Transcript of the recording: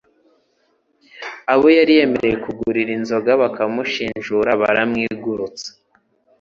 Abo yari yemereye kugurira inzoga bakamushinjura baramwigurutsa